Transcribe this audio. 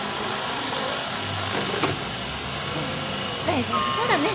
うん大丈夫そうだね！